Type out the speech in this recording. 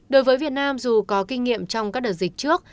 đối với việt nam dù có kinh nghiệm trong các đợt dịch trước